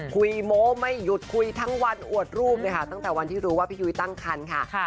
โม้ไม่หยุดคุยทั้งวันอวดรูปเลยค่ะตั้งแต่วันที่รู้ว่าพี่ยุ้ยตั้งคันค่ะ